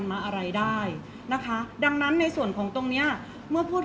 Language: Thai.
เพราะว่าสิ่งเหล่านี้มันเป็นสิ่งที่ไม่มีพยาน